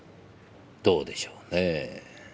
どうでしょうねぇ。